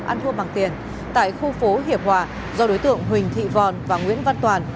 ăn thua bằng tiền tại khu phố hiệp hòa do đối tượng huỳnh thị vòn và nguyễn văn toàn